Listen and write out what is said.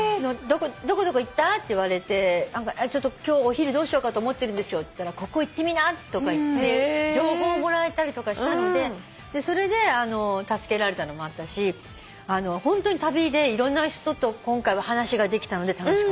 「どこどこ行った？」って言われて「ちょっと今日お昼どうしようかと思ってるんですよ」って言ったら「ここ行ってみな」とかいって情報をもらえたりとかしたのでそれで助けられたのもあったしホントに旅でいろんな人と今回は話ができたので楽しかった。